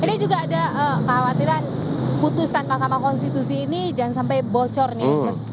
ini juga ada kekhawatiran putusan mahkamah konstitusi ini jangan sampai bocor nih